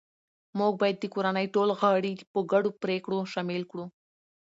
موږ باید د کورنۍ ټول غړي په ګډو پریکړو شامل کړو